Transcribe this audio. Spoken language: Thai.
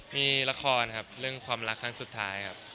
มีละครครับเรื่องความรักครั้งสุดท้ายครับ